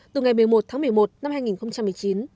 từ ngày một mươi một tháng một mươi một năm hai nghìn một mươi chín